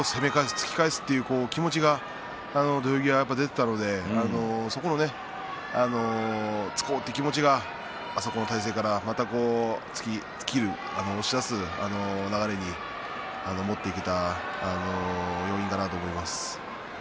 突き返す気持ちが土俵際、出ていたのでそこを突こうという気持ちがあそこの体勢からまた突ききる、押し出す流れに持っていけた要因かなと思います。